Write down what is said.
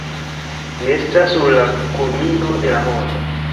Mi estas sur la kulmino de la mondo